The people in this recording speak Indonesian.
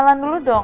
kenalan dulu dong